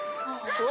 うわ。